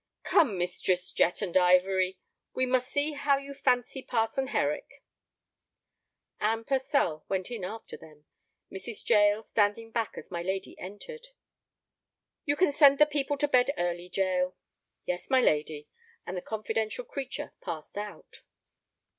"Come, Mistress Jet and Ivory, we must see how you fancy Parson Herrick." Anne Purcell went in after them, Mrs. Jael standing back as my lady entered. "You can send the people to bed early, Jael." "Yes, my lady," and the confidential creature passed out.